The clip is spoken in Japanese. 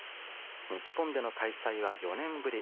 日本での開催は４年ぶり。